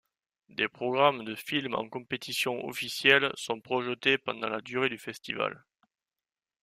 Des programmes de films en compétition officielle sont projetés pendant la durée du festival.